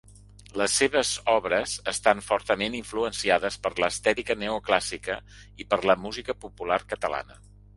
Les seves obres estan fortament influenciades per l'estètica neoclàssica i per la música popular catalana.